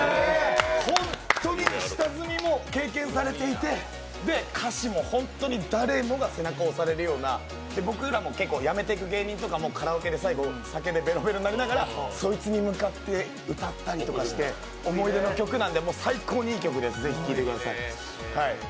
本当に下積みも経験されていてで、歌詞も本当に誰もが背中を押されるような僕らも辞めていく芸人とかも酒でベロベロになりながら、そいつに向かって歌ったりとかして、思い出の曲なんで、最高にいい曲なんでぜひ聴いてください。